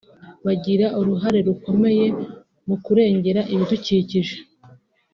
bagira uruhare rukomeye mu kurengera ibidukikije